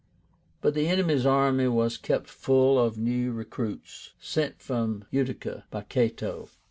But the enemy's army was kept full of new recruits sent from Utica by Cato.